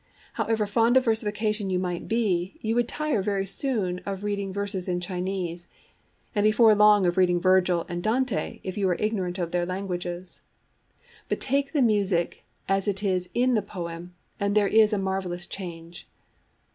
However fond of versification you might be, you would tire very soon of reading verses in Chinese; and before long of reading Virgil and Dante if you were ignorant of their languages. But take the music as it is in the poem, and there is a marvellous change.